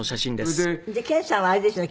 健さんはあれですよね。